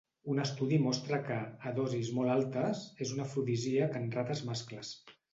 Un estudi mostra que, a dosis molt altes, és un afrodisíac en rates mascles.